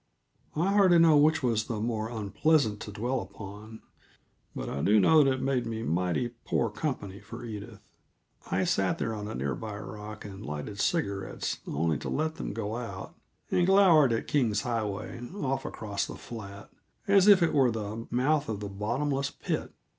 I hardly know which was the more unpleasant to dwell upon, but I do know that it made me mighty poor company for Edith. I sat there on a near by rock and lighted cigarettes, only to let them go out, and glowered at King's Highway, off across the flat, as if it were the mouth of the bottomless pit.